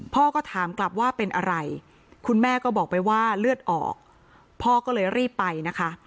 พ่อก็ถามกลับว่าเป็นอะไรคุณแม่ก็บอกไปว่าเลือดออกพ่อก็เลยรีบไปนะคะ